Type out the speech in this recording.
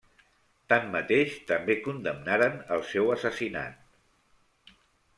Tanmateix, també condemnaren el seu assassinat.